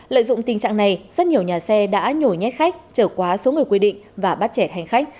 lợi dụng tình trạng này rất nhiều nhà xe đã nhồi nhét khách trở quá số người quy định và bắt chẻ hành khách